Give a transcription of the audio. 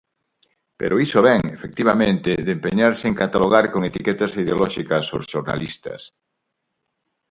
Pero iso vén, efectivamente, de empeñarse en catalogar con etiquetas ideolóxicas os xornalistas.